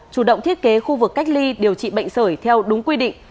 chủ động thiết kế khu vực cách ly điều trị bệnh sởi theo đúng quy định